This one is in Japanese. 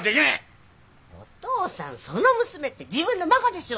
お父さん「その娘」って自分の孫でしょうよ。